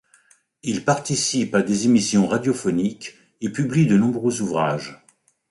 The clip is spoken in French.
Il participe à des émissions radiophoniques et publie de nombreux ouvrages.